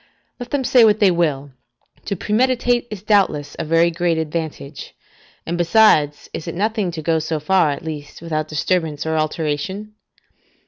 Let them say what they will: to premeditate is doubtless a very great advantage; and besides, is it nothing to go so far, at least, without disturbance or alteration?